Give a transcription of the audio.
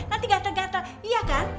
nanti ganteng gatel iya kan